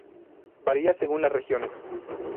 Varía según las regiones.